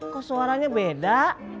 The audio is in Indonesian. kok suaranya beda